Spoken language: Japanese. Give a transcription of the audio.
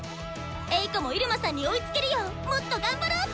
エイコもイルマさんに追いつけるようもっと頑張ろうっと！